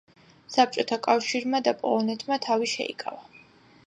საბჭოთა კავშირმა და პოლონეთმა თავი შეიკავა.